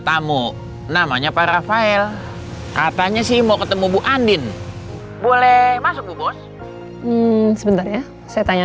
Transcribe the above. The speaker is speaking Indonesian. tamu namanya pak rafael katanya sih mau ketemu bu andin boleh masuk ke bos sebentar ya saya tanya